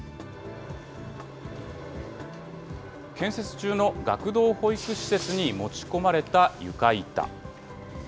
建設中の学童保育施設に持ち込まれた床板。